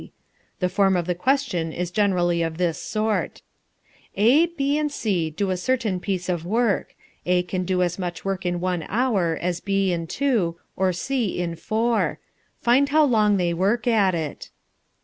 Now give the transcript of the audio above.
The form of the question is generally of this sort: "A, B, and C do a certain piece of work. A can do as much work in one hour as B in two, or C in four. Find how long they work at it."